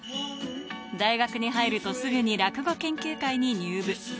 大学に入るとすぐに落語研究会に入部。